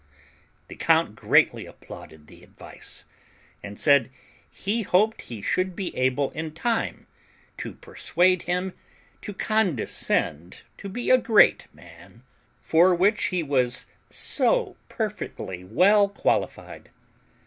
The count greatly applauded the advice, and said he hoped he should be able in time to persuade him to condescend to be a great man, for which he was so perfectly well qualified.